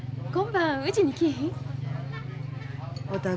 今晩うちに来いひん？